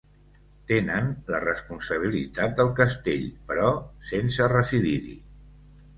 Tenen la responsabilitat del castell, però sense residir-hi.